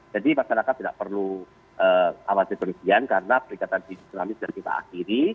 jadi masyarakat tidak perlu awasi perhatian karena perikatan tsunami sudah kita aksi